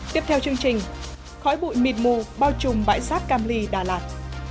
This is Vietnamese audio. tiếp theo chương trình khói bụi mịt mù bao trùm bãi rác cam ly đà lạt